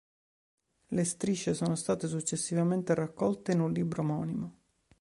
Le strisce sono state successivamente raccolte in un libro omonimo.